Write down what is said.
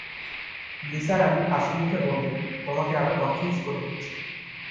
নিসার আলি হাসিমুখে বললেন, তোমাকে আরো কনফিউজ করে দিচ্ছি।